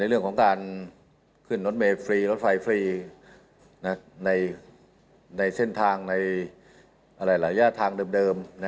เรื่องของการขึ้นรถเมย์ฟรีรถไฟฟรีในเส้นทางในหลายย่าทางเดิม